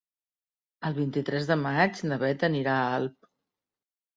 El vint-i-tres de maig na Beth anirà a Alp.